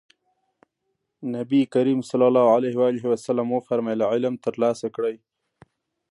نبي کريم ص وفرمايل علم ترلاسه کړئ.